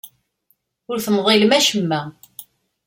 Ur temḍilem acemma.